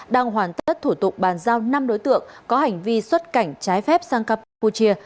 đang hoàn tất thủ tục bàn giao năm đối tượng có hành vi xuất cảnh trái phép sang campuchia